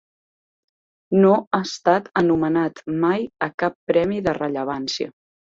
No ha estat anomenat mai a cap premi de rellevància.